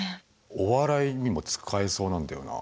お笑いにも使えそうなんだよな。